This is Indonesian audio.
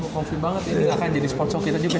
coffee banget ini gak akan jadi sponsor kita juga